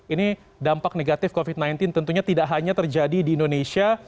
ini dampak negatif covid sembilan belas tentunya tidak hanya terjadi di indonesia